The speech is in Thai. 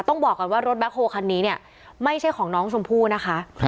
ต้องบอกก่อนว่ารถแบ็คโฮคันนี้เนี่ยไม่ใช่ของน้องชมพู่นะคะ